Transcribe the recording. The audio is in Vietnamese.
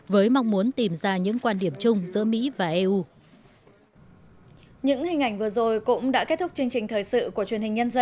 với mong muốn tìm ra những quyết định